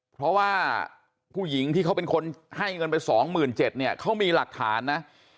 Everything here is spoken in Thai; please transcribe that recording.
เพราะว่าผู้หญิงที่เขาเป็นคนให้เงินไป๒๗๐๐เนี่ยเขามีหลักฐานนะ